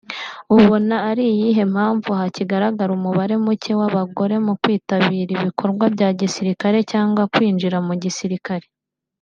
Ubona ari iyihe mpamvu hakigaragara umubare mucye w’abagore mu kwitabira ibikorwa bya gisirikare cyangwa kwinjira mu gisirikare